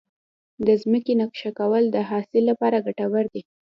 د ځمکې نقشه کول د حاصل لپاره ګټور دي.